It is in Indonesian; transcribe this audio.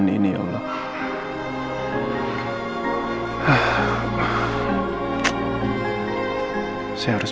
untuk tetap ters combust